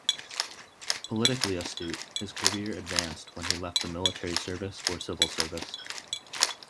Politically astute, his career advanced when he left the military service for civil service.